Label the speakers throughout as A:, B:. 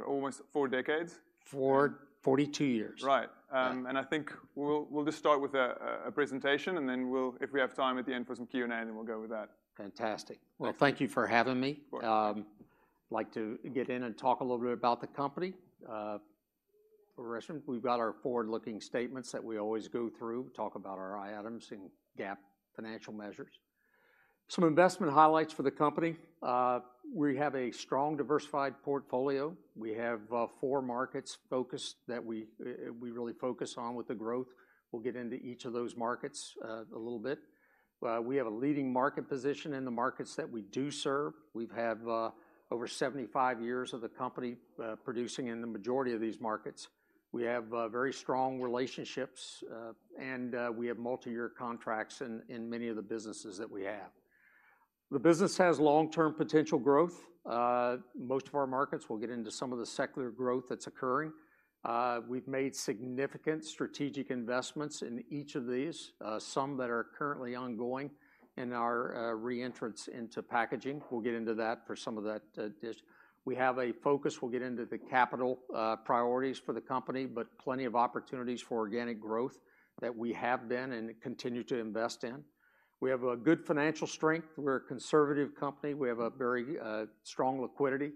A: What? Almost four decades.
B: Four, 42 years.
A: Right. I think we'll just start with a presentation, and then if we have time at the end for some Q&A, then we'll go with that.
B: Fantastic. Well, thank you for having me.
A: Of course.
B: I'd like to get in and talk a little bit about the company progression. We've got our forward-looking statements that we always go through, talk about our items in GAAP financial measures. Some investment highlights for the company. We have a strong, diversified portfolio. We have four markets focused that we really focus on with the growth. We'll get into each of those markets a little bit. We have a leading market position in the markets that we do serve. We have over 75 years of the company producing in the majority of these markets. We have very strong relationships, and we have multi-year contracts in many of the businesses that we have. The business has long-term potential growth. Most of our markets, we'll get into some of the secular growth that's occurring. We've made significant strategic investments in each of these, some that are currently ongoing in our re-entrance into packaging. We'll get into that for some of that. We have a focus, we'll get into the capital priorities for the company, but plenty of opportunities for organic growth that we have been and continue to invest in. We have a good financial strength. We're a conservative company. We have a very strong liquidity,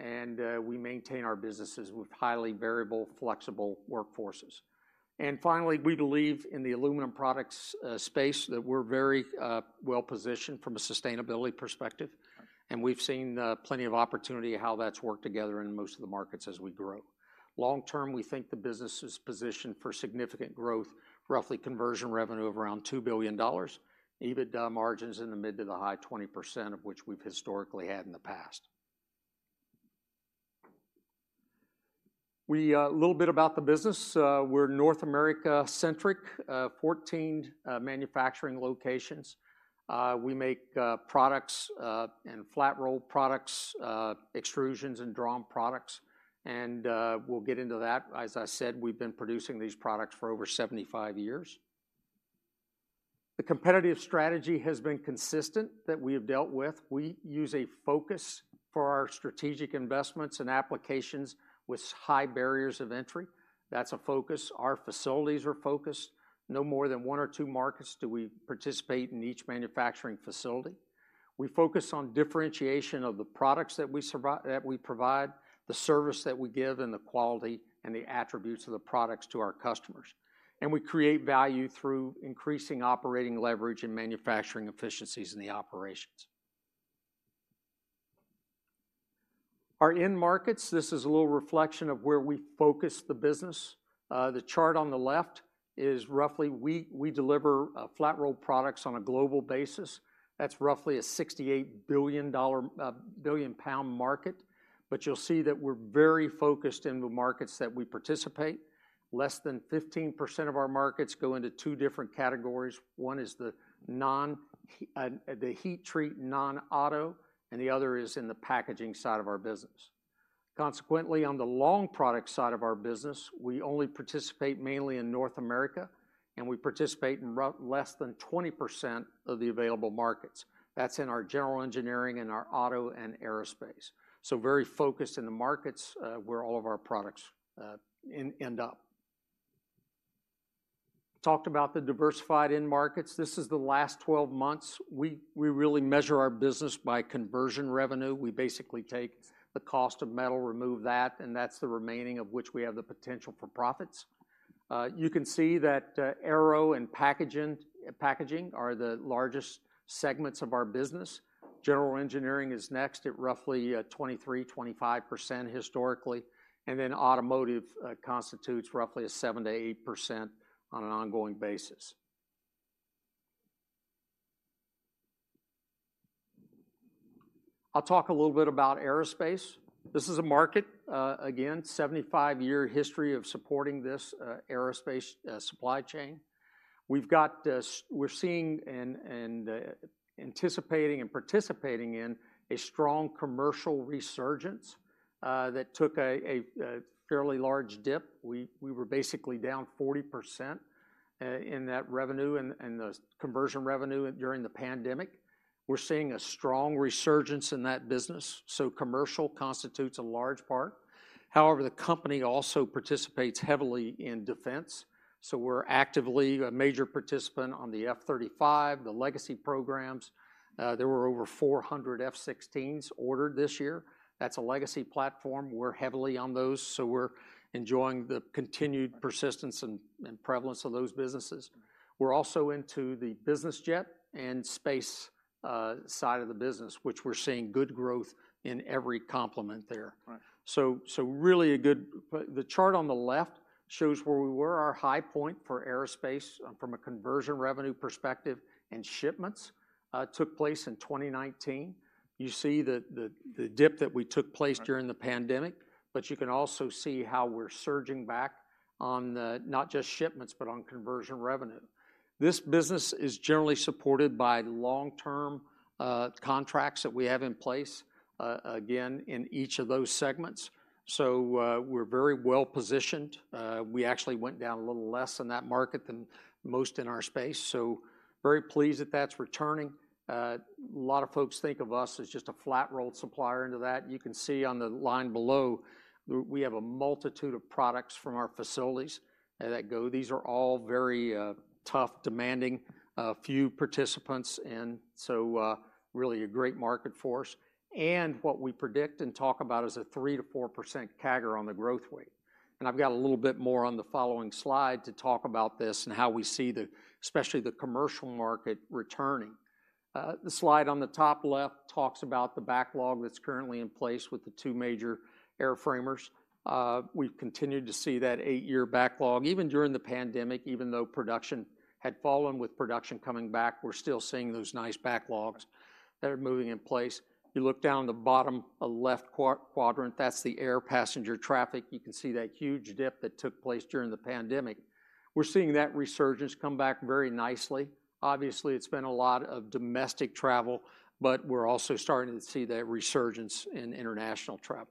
B: and we maintain our businesses with highly variable, flexible workforces. Finally, we believe in the aluminum products space, that we're very well-positioned from a sustainability perspective, and we've seen plenty of opportunity how that's worked together in most of the markets as we grow. Long term, we think the business is positioned for significant growth, roughly conversion revenue of around $2 billion, EBITDA margins in the mid- to high-20% of which we've historically had in the past. A little bit about the business. We're North America-centric, 14 manufacturing locations. We make products and flat roll products, extrusions and drawn products, and we'll get into that. As I said, we've been producing these products for over 75 years. The competitive strategy has been consistent, that we have dealt with. We use a focus for our strategic investments and applications with high barriers of entry. That's a focus. Our facilities are focused. No more than one or two markets do we participate in each manufacturing facility. We focus on differentiation of the products that we provide, the service that we give, and the quality and the attributes of the products to our customers. We create value through increasing operating leverage and manufacturing efficiencies in the operations. Our end markets, this is a little reflection of where we focus the business. The chart on the left is roughly, we deliver flat roll products on a global basis. That's roughly a £68 billion market, but you'll see that we're very focused in the markets that we participate. Less than 15% of our markets go into two different categories. One is the heat treat non-auto, and the other is in the packaging side of our business. Consequently, on the long product side of our business, we only participate mainly in North America, and we participate in less than 20% of the available markets. That's in our general engineering, and our auto and aerospace. Very focused in the markets, where all of our products end up. Talked about the diversified end markets. This is the last 12 months. We really measure our business by conversion revenue. We basically take the cost of metal, remove that, and that's the remaining of which we have the potential for profits. You can see that aero and packaging are the largest segments of our business. General engineering is next at roughly 23%-25% historically, and then automotive constitutes roughly a 7%-8% on an ongoing basis. I'll talk a little bit about aerospace. This is a market, again 75-year history of supporting this aerospace supply chain. We're seeing and anticipating and participating in a strong commercial resurgence that took a fairly large dip. We were basically down 40% in that revenue, and the conversion revenue during the pandemic. We're seeing a strong resurgence in that business, so commercial constitutes a large part. However, the company also participates heavily in defense, so we're actively a major participant on the F-35, the legacy programs. There were over 400 F-16s ordered this year. That's a legacy platform. We're heavily on those, so we're enjoying the continued persistence and prevalence of those businesses. We're also into the business jet and space side of the business, which we're seeing good growth in every complement there.
A: Right.
B: Really good. The chart on the left shows where we were. Our high point for aerospace from a conversion revenue perspective and shipments took place in 2019. You see the dip that we took place during the pandemic, but you can also see how we're surging back on not just shipments, but on conversion revenue. This business is generally supported by long-term contracts that we have in place, again in each of those segments. We're very well-positioned. We actually went down a little less in that market than most in our space, so very pleased that that's returning. A lot of folks think of us as just a flat roll supplier into that. You can see on the line below, we have a multitude of products from our facilities that go. These are all very tough, demanding, a few participants and so really a great market force. What we predict and talk about is a 3%-4% CAGR on the growth rate. I've got a little bit more on the following slide to talk about this, and how we see especially the commercial market returning. The slide on the top left talks about the backlog that's currently in place with the two major airframers. We've continued to see that eight-year backlog, even during the pandemic, even though production had fallen. With production coming back, we're still seeing those nice backlogs that are moving in place. You look down the bottom, left quadrant, that's the air passenger traffic. You can see that huge dip that took place during the pandemic. We're seeing that resurgence come back very nicely. Obviously, it's been a lot of domestic travel, but we're also starting to see that resurgence in international travel.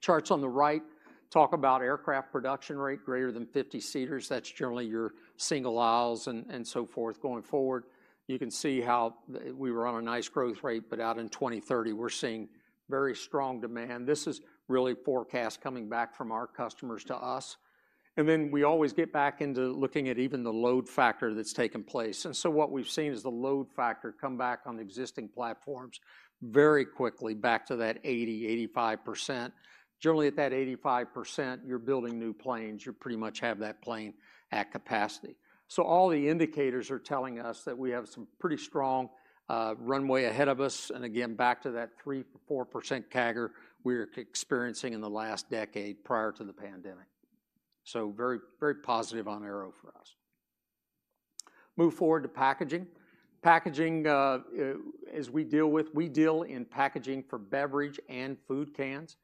B: Charts on the right talk about aircraft production rate greater than 50 seaters. That's generally your single aisles and so forth going forward. You can see how we were on a nice growth rate, but out in 2030, we're seeing very strong demand. This is really forecast coming back from our customers to us. Then we always get back into looking at even the load factor that's taken place. What we've seen is the load factor come back on the existing platforms very quickly, back to that 80%-85%. Generally, at that 85%, you're building new planes, you pretty much have that plane at capacity. All the indicators are telling us that we have some pretty strong runway ahead of us, and again, back to that 3%-4% CAGR we're experiencing in the last decade prior to the pandemic. Very, very positive on aero for us. Move forward to packaging. Packaging, we deal in packaging for beverage and food cans.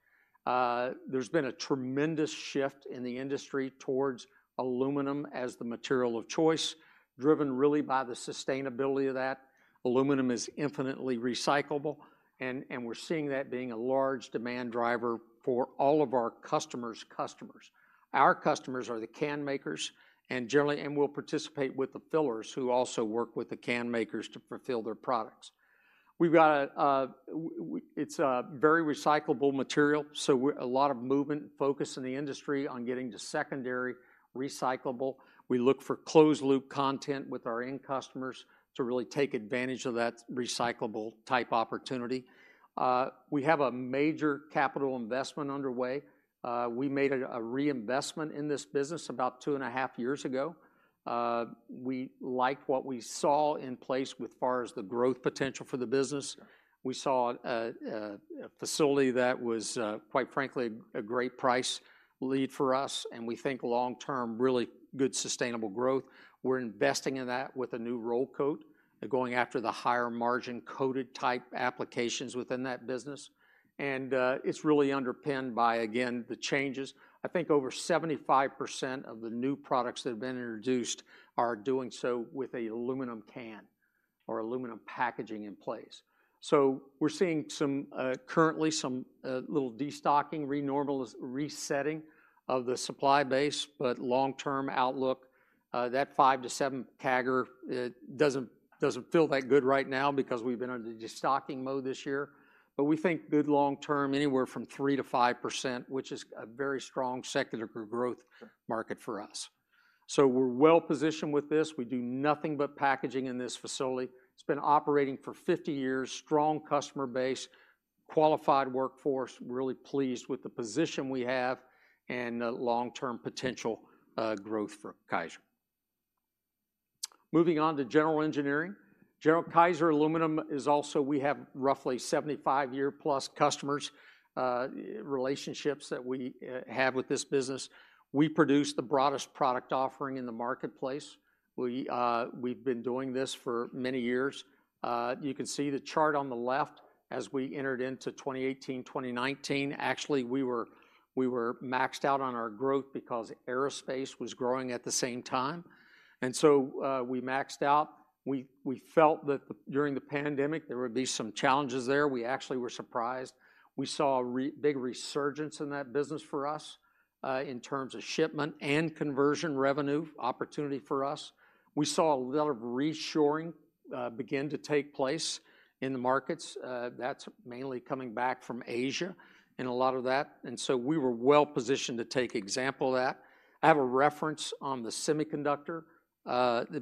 B: There's been a tremendous shift in the industry towards aluminum as the material of choice, driven really by the sustainability of that. Aluminum is infinitely recyclable, and we're seeing that being a large demand driver for all of our customers customers. Our customers are the can makers, and generally we'll participate with the fillers, who also work with the can makers to fulfill their products. It's a very recyclable material. A lot of movement, focus in the industry on getting to secondary recyclable. We look for closed-loop content with our end customers to really take advantage of that recyclable type opportunity. We have a major capital investment underway. We made a reinvestment in this business about two and a half years ago. We liked what we saw in place as far as the growth potential for the business. We saw a facility that was quite frankly, a great price lead for us and we think long-term, really good, sustainable growth. We're investing in that with a new roll coat and going after the higher margin coated-type applications within that business, and it's really underpinned by again, the changes. I think over 75% of the new products that have been introduced are doing so with an aluminum can or aluminum packaging in place. We're seeing currently some little destocking, renormalizing, resetting of the supply base, but long-term outlook, that five to seven CAGR doesn't feel that good right now because we've been under destocking mode this year. We think good long term, anywhere from 3%-5%, which is a very strong secular growth market for us. We're well-positioned with this. We do nothing but packaging in this facility. It's been operating for 50 years, strong customer base, qualified workforce, really pleased with the position we have and the long-term potential growth for Kaiser. Moving on to general engineering. Kaiser Aluminum also, we have roughly 75+ year customer relationships that we have with this business. We produce the broadest product offering in the marketplace. We've been doing this for many years. You can see the chart on the left, as we entered into 2018, 2019, actually we were maxed out on our growth because aerospace was growing at the same time, and so we maxed out. We felt that during the pandemic, there would be some challenges there. We actually were surprised. We saw a big resurgence in that business for us, in terms of shipment and conversion revenue opportunity for us. We saw a lot of reshoring begin to take place in the markets. That's mainly coming back from Asia in a lot of that, and so we were well-positioned to take example of that. I have a reference on the semiconductor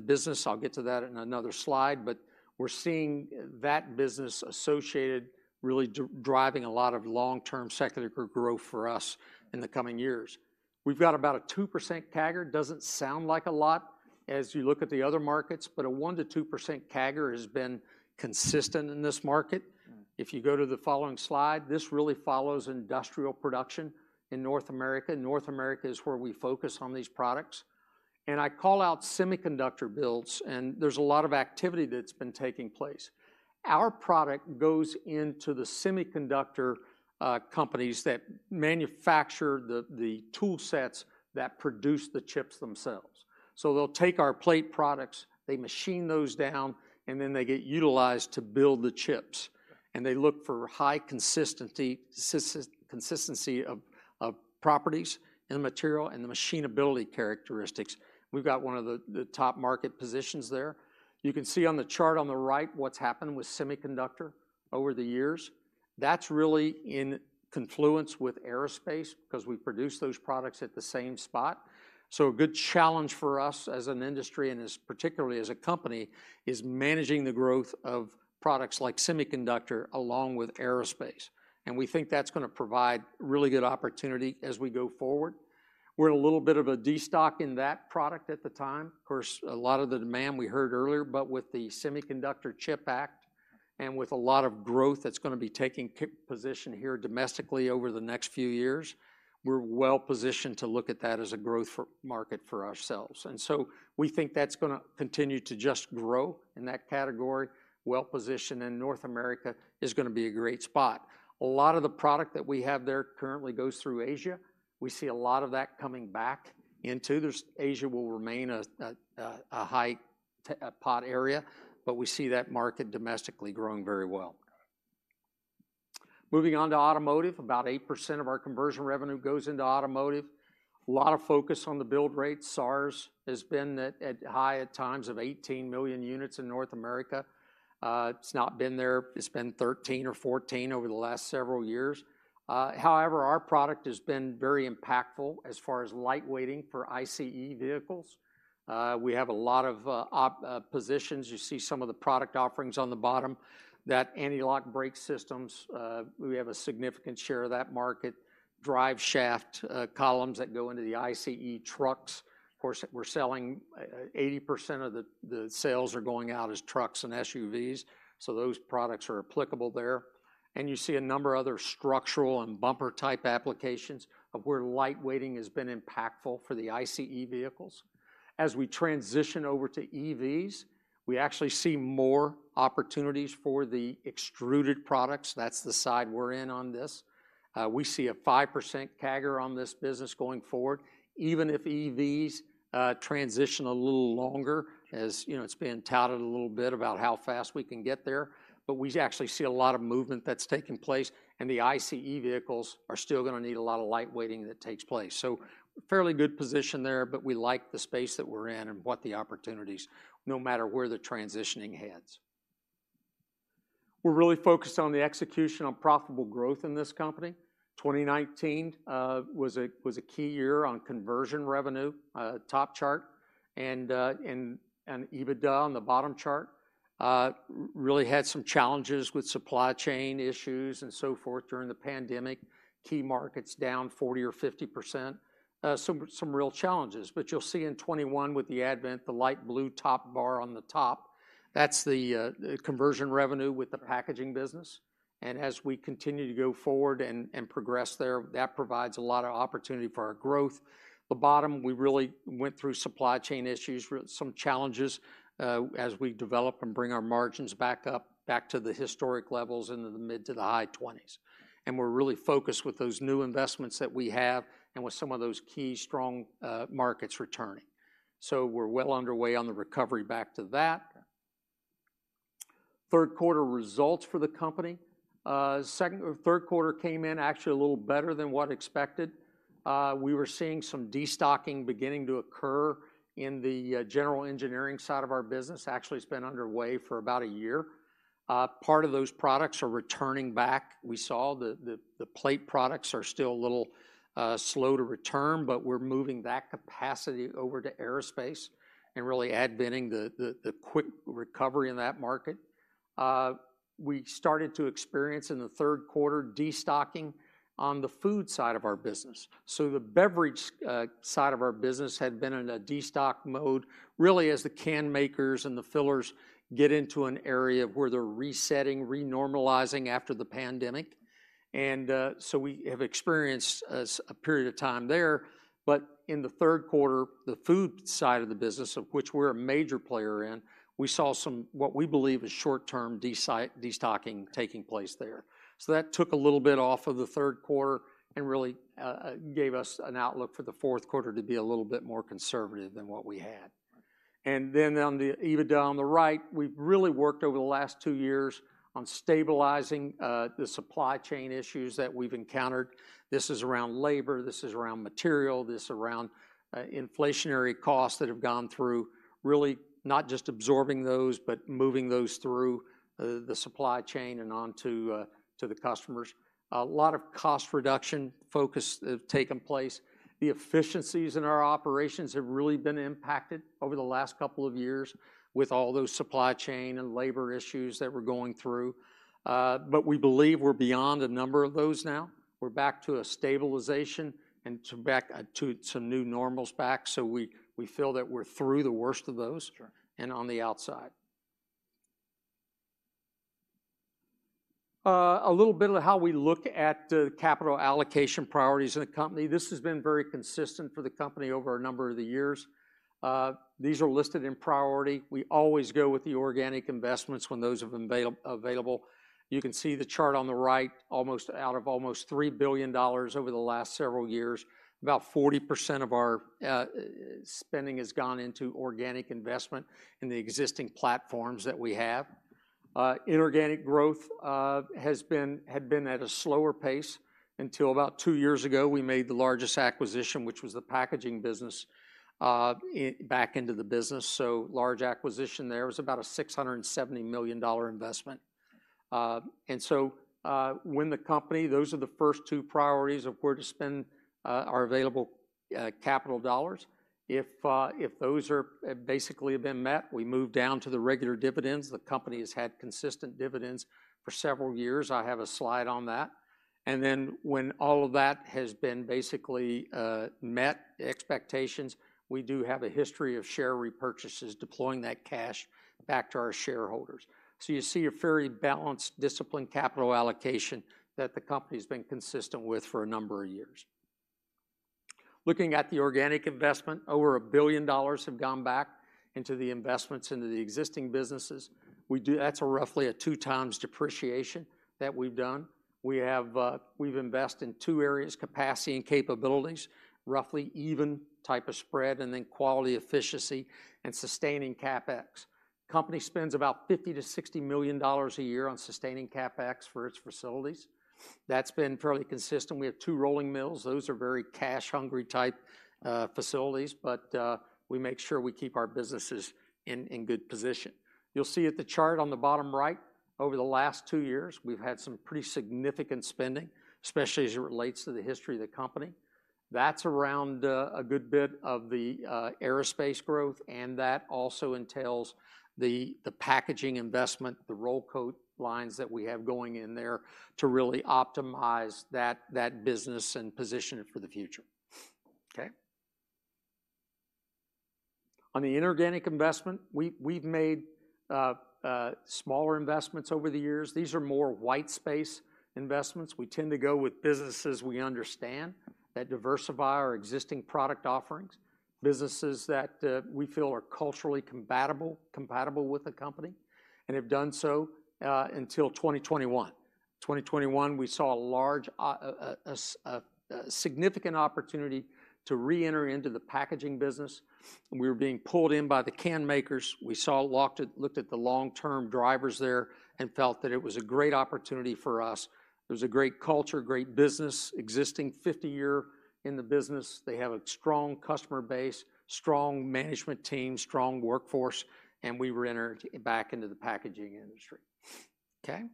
B: business. I'll get to that in another slide, but we're seeing that business associated really driving a lot of long-term secular growth for us in the coming years. We've got about a 2% CAGR. Doesn't sound like a lot as you look at the other markets, but a 1%-2% CAGR has been consistent in this market. If you go to the following slide, this really follows industrial production in North America. North America is where we focus on these products, and I call out semiconductor builds and there's a lot of activity that's been taking place. Our product goes into the semiconductor companies that manufacture the tool sets that produce the chips themselves. They'll take our plate products, they machine those down and then they get utilized to build the chips. They look for high consistency of properties in the material and the machinability characteristics. We've got one of the top market positions there. You can see on the chart on the right, what's happened with semiconductor over the years. That's really in confluence with aerospace, because we produce those products at the same spot. A good challenge for us as an industry and particularly as a company, is managing the growth of products like semiconductor along with aerospace and we think that's going to provide really good opportunity as we go forward. We're in a little bit of a destock in that product at the time. Of course, a lot of the demand we heard earlier, but with the CHIPS and Science Act and with a lot of growth that's going to be taking position here domestically over the next few years, we're well-positioned to look at that as a growth market for ourselves. We think that's going to continue to just grow in that category, well-positioned, and North America is going to be a great spot. A lot of the product that we have there currently goes through Asia. We see a lot of that coming back. Asia will remain a port area, but we see that market domestically growing very well. Moving on to automotive, about 8% of our conversion revenue goes into automotive. A lot of focus on the build rate. SAAR has been at highs at times of 18 million units in North America. It's not been there. It's been 13 or 14 over the last several years. However, our product has been very impactful as far as lightweighting for ICE vehicles. We have a lot of positions. You see some of the product offerings on the bottom, that anti-lock brake systems, we have a significant share of that market. Drive shaft columns that go into the ICE trucks. Of course, 80% of the sales are going out as trucks and SUVs, so those products are applicable there. You see a number of other structural, and bumper-type applications of where lightweighting has been impactful for the ICE vehicles. As we transition over to EVs, we actually see more opportunities for the extruded products. That's the side we're in on this. We see a 5% CAGR on this business going forward, even if EVs transition a little longer, as you know, it's been touted a little bit about how fast we can get there. We actually see a lot of movement that's taking place, and the ICE vehicles are still going to need a lot of lightweighting that takes place. Fairly good position there, but we like the space that we're in and the opportunities, no matter where the transitioning heads. We're really focused on the execution on profitable growth in this company. 2019 was a key year on conversion revenue, top chart, and EBITDA on the bottom chart. Really had some challenges with supply chain issues and so forth during the pandemic. Key markets down 40% or 50%. Some real challenges, but you'll see in 2021, with the advent, the light blue top bar on the top, that's the conversion revenue with the packaging business. As we continue to go forward and progress there, that provides a lot of opportunity for our growth. at the bottom, we really went through supply chain issues, some challenges, as we develop and bring our margins back up, back to the historic levels in the mid to the high 20s. We're really focused with those new investments that we have, and with some of those key strong markets returning. We're well underway on the recovery back to that. Third quarter results for the company. Second or third quarter came in actually a little better than what expected. We were seeing some destocking beginning to occur in the general engineering side of our business. Actually, it's been underway for about a year. Part of those products are returning back. We saw the plate products are still a little slow to return, but we're moving that capacity over to aerospace and really advancing the quick recovery in that market. We started to experience, in the third quarter, destocking on the food side of our business. The beverage side of our business had been in a destock mode really, as the can makers and the fillers get into an area where they're resetting, renormalizing after the pandemic. We have experienced a period of time there. In the third quarter, the food side of the business, of which we're a major player in, we saw what we believe is short-term destocking taking place there. That took a little bit off of the third quarter, and really gave us an outlook for the fourth quarter to be a little bit more conservative than what we had. Then on the EBITDA on the right, we've really worked over the last two years on stabilizing the supply chain issues that we've encountered. This is around labor, this is around material, this is around inflationary costs that have gone through, really not just absorbing those, but moving those through the supply chain and on to the customers. A lot of cost reduction focus have taken place. The efficiencies in our operations have really been impacted over the last couple of years, with all those supply chain and labor issues that we're going through. We believe we're beyond a number of those now. We're back to a stabilization and back to some new normals, so we feel that we're through the worst of those and on the outside. A little bit of how we look at the capital allocation priorities in the company.
A: Sure.
B: This has been very consistent for the company over a number of the years. These are listed in priority. We always go with the organic investments when those are available. You can see the chart on the right, out of almost $3 billion over the last several years, about 40% of our spending has gone into organic investment in the existing platforms that we have. Inorganic growth had been at a slower pace until about two years ago. We made the largest acquisition, which was the packaging business, back into the business, so large acquisition there. It was about a $670 million investment. Those are the first two priorities of where to spend our available capital dollars. If those have basically been met, we move down to the regular dividends. The company has had consistent dividends for several years. I have a slide on that. Then, when all of that has basically met expectations, we do have a history of share repurchases, deploying that cash back to our shareholders. You see a very balanced, disciplined capital allocation that the company's been consistent with for a number of years. Looking at the organic investment, over $1 billion have gone back into the investments into the existing businesses. That's roughly a 2x depreciation that we've done. We've invested in two areas, capacity and capabilities, roughly even type of spread, and then quality, efficiency, and sustaining CapEx. The company spends about $50 million-$60 million a year on sustaining CapEx for its facilities. That's been fairly consistent. We have two rolling mills. Those are very cash-hungry type facilities, but we make sure we keep our businesses in good position. You'll see at the chart on the bottom right, over the last two years, we've had some pretty significant spending, especially as it relates to the history of the company. That's around a good bit of the aerospace growth, and that also entails the packaging investment, the roll coat lines that we have going in there to really optimize that business and position it for the future. Okay? On the inorganic investment, we've made smaller investments over the years. These are more white space investments. We tend to go with businesses we understand, that diversify our existing product offerings. Businesses that we feel are culturally compatible with the company, and have done so until 2021. 2021, we saw a large significant opportunity to re-enter into the packaging business, and we were being pulled in by the can makers. We looked at the long-term drivers there and felt that it was a great opportunity for us. There was a great culture, great business, existing 50 years in the business. They have a strong customer base, strong management team, strong workforce, and we re-entered back into the packaging industry. Okay?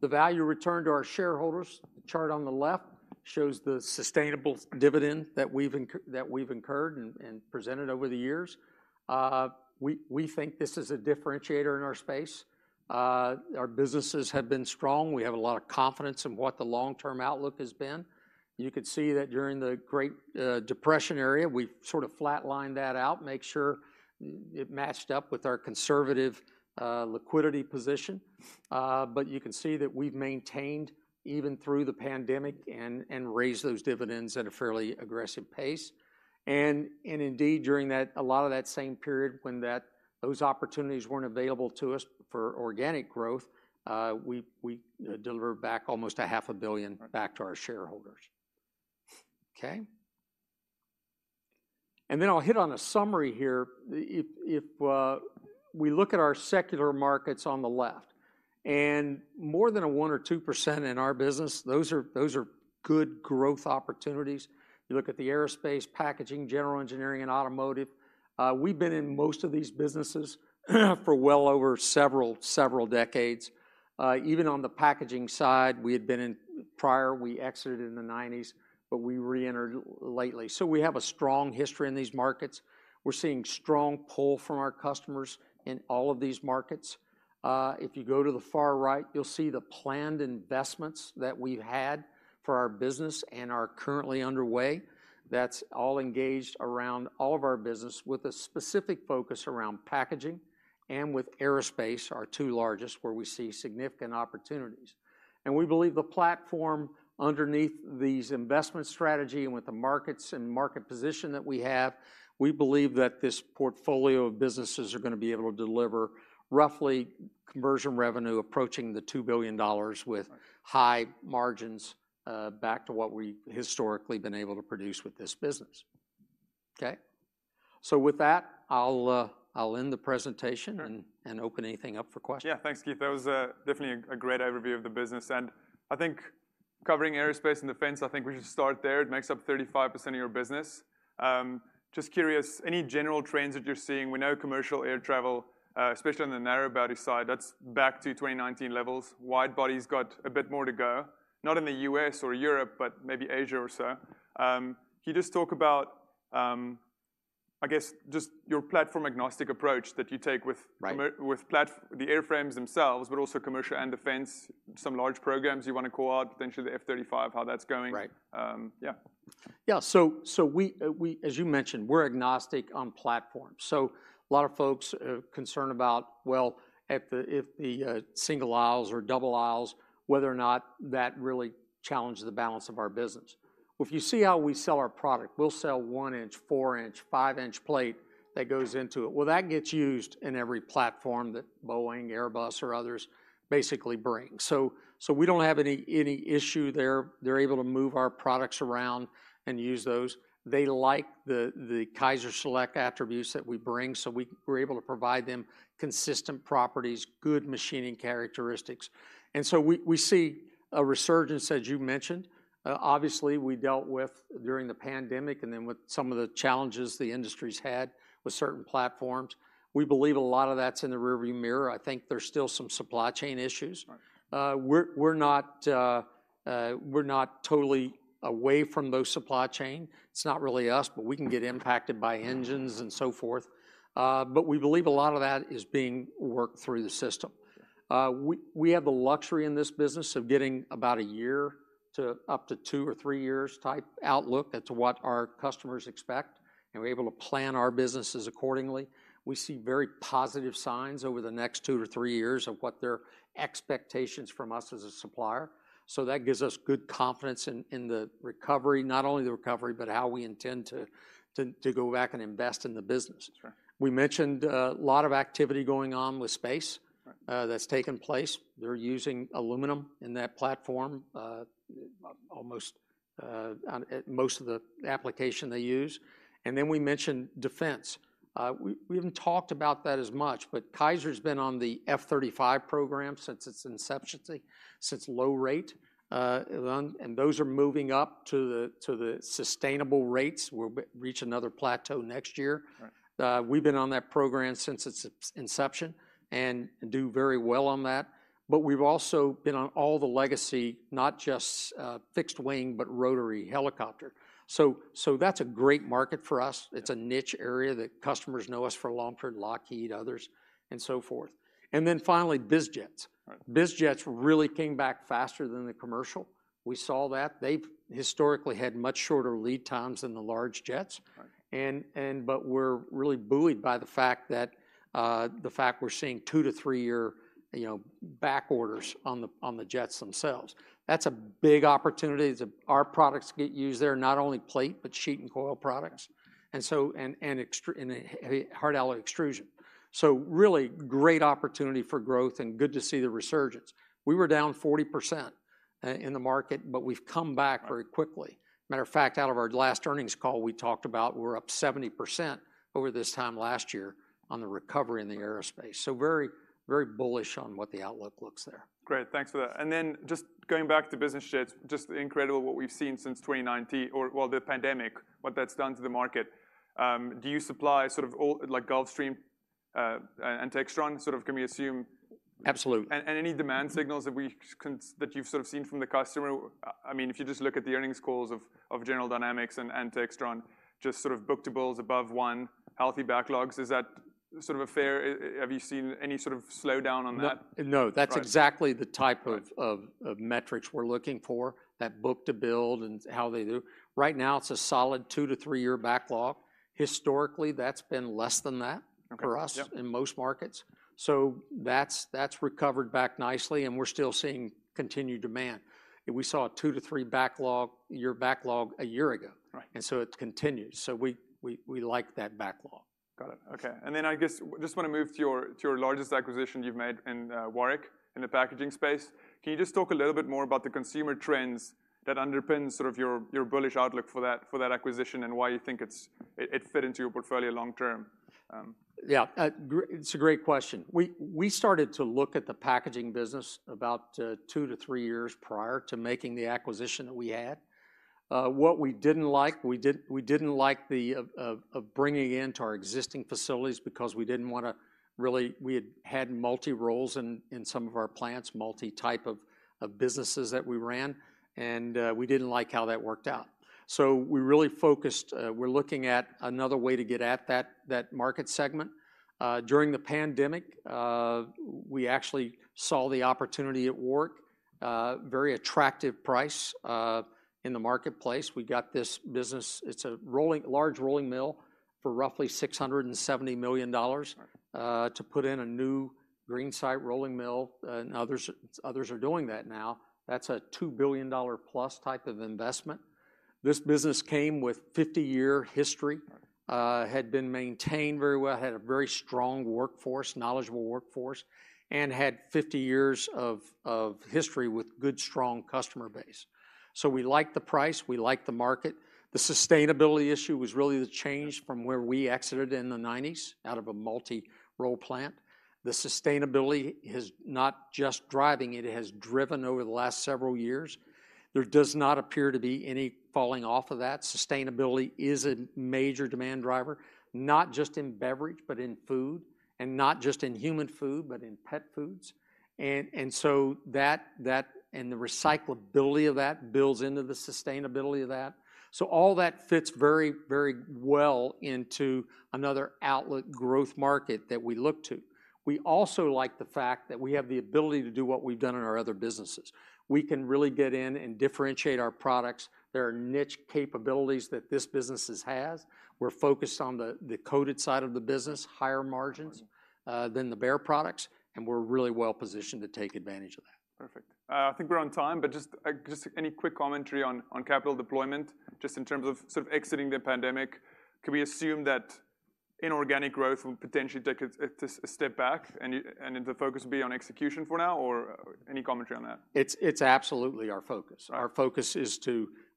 B: The value returned to our shareholders, the chart on the left shows the sustainable dividend that we've incurred and presented over the years. We think this is a differentiator in our space. Our businesses have been strong. We have a lot of confidence in what the long-term outlook has been. You could see that during the Great Depression era, we've sort of flatlined that out, made sure it matched up with our conservative liquidity position. You can see that we've maintained even through the pandemic, and raised those dividends at a fairly aggressive pace. Indeed, during that, a lot of that same period when those opportunities weren't available to us for organic growth, we delivered back almost $500 million back to our shareholders. Okay? Then I'll hit on a summary here. If we look at our secular markets on the left, and more than a 1%-2% in our business, those are good growth opportunities. You look at the aerospace, packaging, general engineering, and automotive, we've been in most of these businesses for well over several decades. Even on the packaging side, prior, we exited in the 1990s, but we reentered lately. We have a strong history in these markets. We're seeing strong pull from our customers in all of these markets. If you go to the far right, you'll see the planned investments that we've had for our business and are currently underway. That's all engaged around all of our business, with a specific focus around packaging and with aerospace, our two largest, where we see significant opportunities. We believe the platform underneath these investment strategy and with the markets and market position that we have, we believe that this portfolio of businesses are going to be able to deliver roughly conversion revenue approaching $2 billion with high margins, back to what we've historically been able to produce with this business. Okay? With that, I'll end the presentation and open anything up for questions.
A: Yeah. Thanks, Keith. That was definitely a great overview of the business, and I think covering aerospace and defense, I think we should start there. It makes up 35% of your business. Just curious, any general trends that you're seeing? We know commercial air travel, especially on the narrow-body side, that's back to 2019 levels. Wide body's got a bit more to go, not in the U.S. or Europe, but maybe Asia or so. Can you just talk about, I guess, just your platform-agnostic approach that you take with the airframes themselves, but also commercial and defense, some large programs you want to call out, potentially the F-35, how that's going?
B: Right.
A: Yeah.
B: Yeah, so as you mentioned, we're agnostic on platform. A lot of folks are concerned about, well, if the single aisles or double aisles, whether or not that really challenges the balance of our business. Well, if you see how we sell our product, we'll sell 1-inch, 4-inch, 5-inch plate that goes into it. Well, that gets used in every platform that Boeing, Airbus, or others basically bring. We don't have any issue there. They're able to move our products around and use those. They like the KaiserSelect attributes that we bring, so we're able to provide them consistent properties, good machining characteristics. We see a resurgence, as you mentioned. Obviously, we dealt with during the pandemic and then with some of the challenges the industry's had with certain platforms. We believe a lot of that's in the rear view mirror. I think there's still some supply chain issues.
A: Right.
B: We're not totally away from those supply chain. It's not really us, but we can get impacted by engines and so forth. We believe a lot of that is being worked through the system. We have the luxury in this business of getting about a year to up to two or three years type outlook as to what our customers expect, and we're able to plan our businesses accordingly. We see very positive signs over the next two to three years, of their expectations from us as a supplier. That gives us good confidence in the recovery, not only the recovery, but how we intend to go back and invest in the business.
A: Sure.
B: We mentioned a lot of activity going on with space, that's taken place. They're using aluminum in that platform almost on at most of the application they use, and then we mentioned defense. We haven't talked about that as much, but Kaiser's been on the F-35 program since its inception, since low rate, and those are moving up to the sustainable rates. We'll reach another plateau next year.
A: Right.
B: We've been on that program since its inception, and do very well on that. We've also been on all the legacy, not just fixed wing, but rotary helicopter, so that's a great market for us.
A: Yeah.
B: It's a niche area that customers know us for a long time, Lockheed, others and so forth. Then finally, biz jets.
A: Right.
B: Biz jets really came back faster than the commercial. We saw that. They've historically had much shorter lead times than the large jets.
A: Right.
B: We're really buoyed by the fact that the fact we're seeing two to three-year, you know, back orders on the jets themselves. That's a big opportunity. Our products get used there, not only plate, but sheet and coil products, and hard alloy extrusion. Really great opportunity for growth and good to see the resurgence. We were down 40% in the market, but we've come back very quickly. Matter of fact, out of our last earnings call, we talked about, we're up 70% over this time last year on the recovery in the aerospace. Very, very bullish on what the outlook looks there.
A: Great, thanks for that. Then just going back to business jets, just incredible what we've seen since 2019 or well, the pandemic, what that's done to the market. Do you supply sort of all Gulfstream, and Textron sort of, can we assume?
B: Absolutely.
A: Any demand signals that you've sort of seen from the customer? I mean, if you just look at the earnings calls of General Dynamics and Textron, just sort of book-to-builds above one, healthy backlogs, is that sort of fair? Have you seen any sort of slowdown on that?
B: No.
A: Right.
B: That's exactly the type of metrics we're looking for, that book to build and how they do. Right now, it's a solid two to three-year backlog. Historically, that's been less than that for us in most markets.
A: Okay, yep
B: That's recovered back nicely, and we're still seeing continued demand. We saw a two to three-year backlog a year ago.
A: Right.
B: It continues, so we like that backlog.
A: Got it, okay. Then I guess, just want to move to your largest acquisition you've made in Warrick, in the packaging space. Can you just talk a little bit more about the consumer trends that underpin sort of your bullish outlook for that acquisition, and why you think it fit into your portfolio long term?
B: Yeah, it's a great question. We started to look at the packaging business about two to three years prior to making the acquisition that we had. What we didn't like, we didn't like the idea of bringing into our existing facilities because we had multiple roles in some of our plants, multiple types of businesses that we ran, and we didn't like how that worked out. We're looking at another way to get at that market segment. During the pandemic, we actually saw the opportunity at Warrick, very attractive price in the marketplace. We got this business, it's a large rolling mill for roughly $670 million.
A: Right.
B: To put in a new green site rolling mill, and others are doing that now. That's a $2+ billion type of investment. This business came with 50-year history.
A: Right.
B: Had been maintained very well, had a very strong workforce, knowledgeable workforce, and had 50 years of history with good, strong customer base. We liked the price, we liked the market. The sustainability issue was really the change from where we exited in the 1990s, out of a multi-role plant.
A: Yeah
B: The sustainability is not just driving, it has driven over the last several years. There does not appear to be any falling off of that. Sustainability is a major demand driver, not just in beverage, but in food, and not just in human food, but in pet foods. So that, and the recyclability of that builds into the sustainability of that. All that fits very, very well into another outlet growth market that we look to. We also like the fact that we have the ability to do what we've done in our other businesses. We can really get in and differentiate our products. There are niche capabilities that this business has. We're focused on the coded side of the business, higher margins than the bare products and we're really well positioned to take advantage of that.
A: Right, perfect. I think we're on time, but just just any quick commentary on capital deployment, just in terms of sort of exiting the pandemic, can we assume that inorganic growth will potentially take a step back and the focus will be on execution for now or any commentary on that?
B: It's absolutely our focus.
A: Right.
B: Our focus is,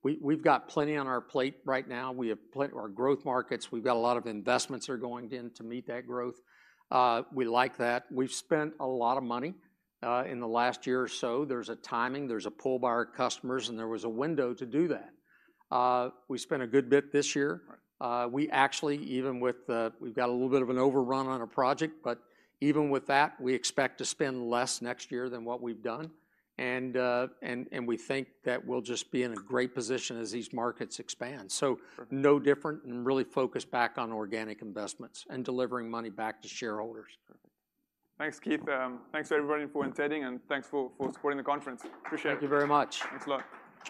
B: we've got plenty on our plate right now. We have plenty, our growth markets, we've got a lot of investments are going in to meet that growth. We like that. We've spent a lot of money in the last year or so. There's a timing, there's a pull by our customers, and there was a window to do that. We spent a good bit this year.
A: Right.
B: Actually, we've got a little bit of an overrun on a project, but even with that, we expect to spend less next year than what we've done. We think that we'll just be in a great position as these markets expand.
A: Sure.
B: No different, and really focused back on organic investments and delivering money back to shareholders.
A: Perfect. Thanks, Keith. Thanks, everybody for attending, and thanks for supporting the conference. Appreciate it.
B: Thank you very much.
A: Thanks a lot.